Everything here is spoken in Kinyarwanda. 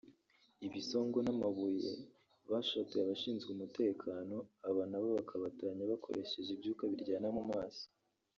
ibisongo n’amabuye bashotoye abashinzwe umutekano aba nabo bakabatatanya bakoresheje ibyuka biryana mu maso